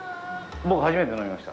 僕、初めて飲みました。